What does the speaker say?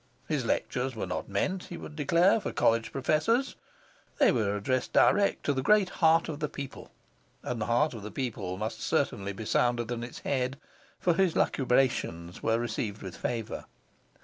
His lectures were not meant, he would declare, for college professors; they were addressed direct to 'the great heart of the people', and the heart of the people must certainly be sounder than its head, for his lucubrations were received with favour.